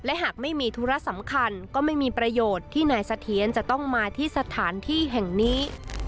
และหากไม่มีธุระสำคัญก็ไม่มีประโยชน์ที่นายเสถียรจะต้องมาที่สถานที่แห่งนี้